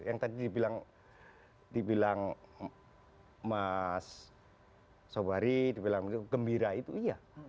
yang tadi dibilang mas sobari dibilang gembira itu iya